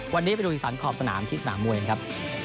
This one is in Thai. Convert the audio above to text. วันนี้ไปดูอีสานขอบสนามที่สนามมวยกันครับ